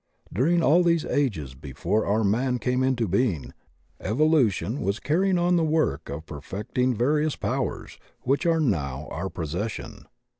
During all these ages before our man came into being, evolution was carrying on the work of perfect ing various powers which are now our possession.